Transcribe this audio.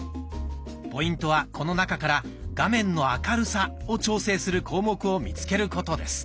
ポイントはこの中から「画面の明るさ」を調整する項目を見つけることです。